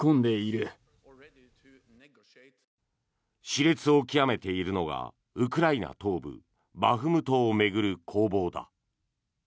熾烈を極めているのがウクライナ東部バフムトを巡る攻防だ。